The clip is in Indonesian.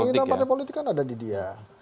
keinginan partai politik kan ada di dia